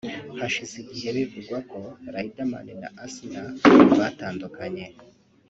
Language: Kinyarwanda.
Hashize igihe bivugwa ko Riderman na Asnah batandukanye